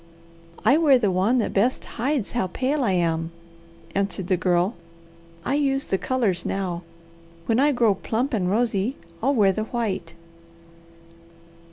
"I wear the one that best hides how pale I am," answered the Girl. "I use the colours now. When I grow plump and rosy, I'll wear the white."